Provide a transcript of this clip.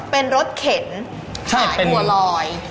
เป็นรถเข็นขายบัวลอย